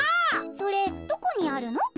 それどこにあるの？